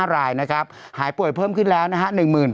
๕รายนะครับหายป่วยเพิ่มขึ้นแล้วนะฮะ